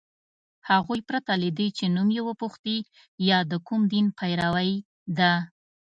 هغوی پرته له دې چي نوم یې وپوښتي یا د کوم دین پیروۍ ده